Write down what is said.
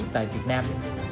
tại việt nam